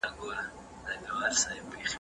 ليکوال به ساده ليکنه خوښوله.